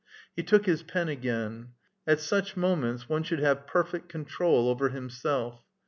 He took his pen again. "At such moments one should have perfect control over himself.